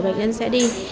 bệnh nhân sẽ đi